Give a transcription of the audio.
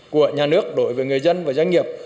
của nhà nước đối với người dân và doanh nghiệp